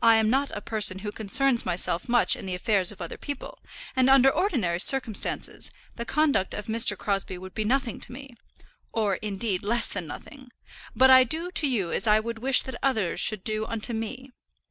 I am not a person who concerns myself much in the affairs of other people; and under ordinary circumstances, the conduct of Mr. Crosbie would be nothing to me, or, indeed, less than nothing; but I do to you as I would wish that others should do unto me.